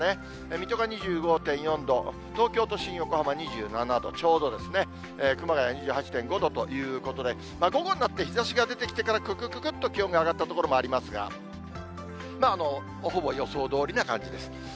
水戸が２５．４度、東京都心、横浜２７度ちょうどですね、熊谷２８．５度ということで、午後になって日ざしが出てきてから、くくくくっと気温が上がった所もありますが、ほぼ予想どおりな感じです。